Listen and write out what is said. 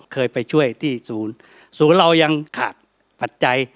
เคยไปช่วยที่ศูนย์ศูนย์เรายังขาดปัจจัย